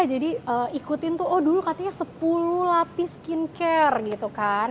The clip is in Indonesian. ikutin tuh oh dulu katanya sepuluh lapis skincare gitu kan